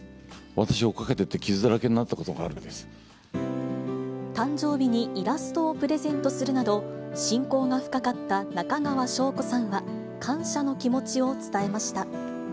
私、追いかけていって、傷だらけ誕生日にイラストをプレゼントするなど、親交が深かった中川翔子さんは感謝の気持ちを伝えました。